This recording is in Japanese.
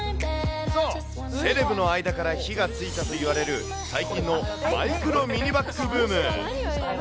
そう、セレブの間から火がついたといわれる最近のマイクロミニバッグブーム。